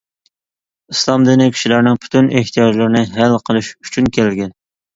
ئىسلام دىنى كىشىلەرنىڭ پۈتۈن ئېھتىياجلىرىنى ھەل قىلىش ئۈچۈن كەلگەن.